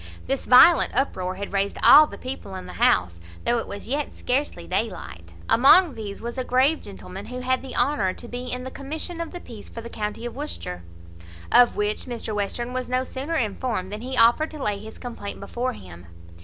This violent uproar had raised all the people in the house, though it was yet scarcely daylight. Among these was a grave gentleman, who had the honour to be in the commission of the peace for the county of Worcester. Of which Mr Western was no sooner informed than he offered to lay his complaint before him.